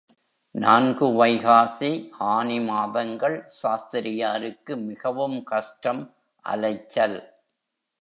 நான்கு வைகாசி, ஆனி மாதங்கள் சாஸ்திரியாருக்கு மிகவும் கஷ்டம் அலைச்சல்.